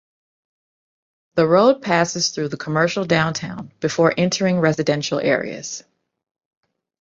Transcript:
The road passes through the commercial downtown before entering residential areas.